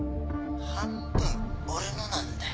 半分俺のなんだよ。